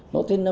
nó thêm năm năm